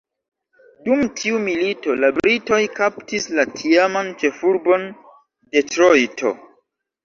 Dum tiu milito, la Britoj kaptis la tiaman ĉefurbon, Detrojto.